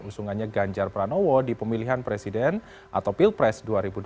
usungannya ganjar pranowo di pemilihan presiden atau pilpres dua ribu dua puluh